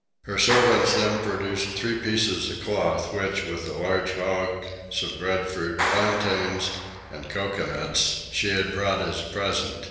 Her servants then produced three pieces of cloth which, with a large hog, some breadfruit, plantains, and coconuts, she had brought as a present.